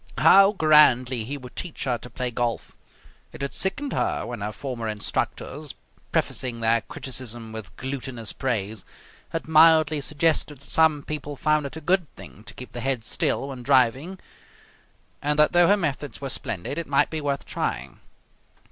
How grandly he would teach her to play golf. It had sickened her when her former instructors, prefacing their criticism with glutinous praise, had mildly suggested that some people found it a good thing to keep the head still when driving and that though her methods were splendid it might be worth trying.